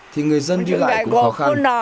thì người dân đi lại cũng khó khăn